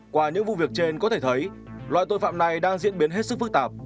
qua những vụ việc trên có thể thấy loại tội phạm này đang diễn biến hết sức phức tạp